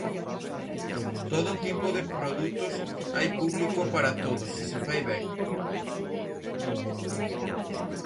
Todo tipo de produtos, hai público para todo se se fai ben.